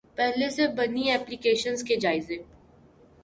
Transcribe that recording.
پہلے سے بنی ایپلی کیشنز کے جائزے